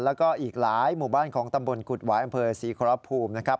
แล้วก็อีกหลายหมู่บ้านของตำบลกุฎหวายอำเภอศรีขอรภูมินะครับ